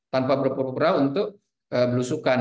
tanpa berpura pura untuk belusukan